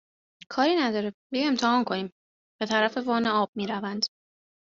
کاری نداره، بیا امتحان کنیم! به طرف وان آب میروند